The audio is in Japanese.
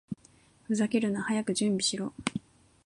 ふざけるな！早く準備しろ！